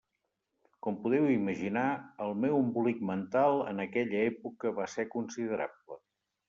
Com podeu imaginar, el meu embolic mental en aquella època va ser considerable.